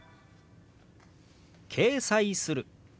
「掲載する」。